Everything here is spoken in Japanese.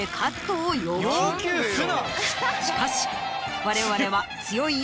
しかし。